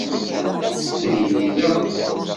Ad nili da.